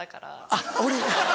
あっ俺が。